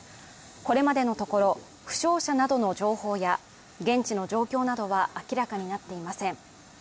これまでのところ、負傷者などの情報や現地の状況などは明らかになっていません。